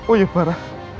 oh ya barah